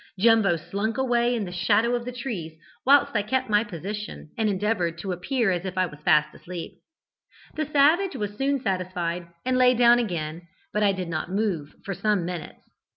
Jumbo slunk away in the shadow of the trees, whilst I kept my position, and endeavoured to appear as if I was fast asleep. The savage was soon satisfied, and lay down again, but I did not move for some minutes.